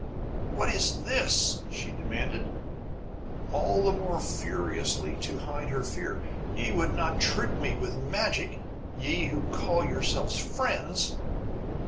"What is this?" she demanded, all the more furiously to hide her fear. "Ye would not trick me with magic; ye, who call yourselves friends!"